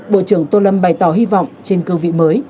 bộ trưởng tô lâm bày tỏ hy vọng trên cơ vị mới